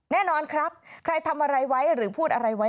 แน่นอนครับใครทำอะไรไว้หรือพูดอะไรไว้